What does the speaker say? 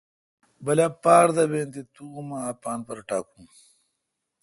بلا پار دہ بین تے تو اما اپان پر ٹاکون۔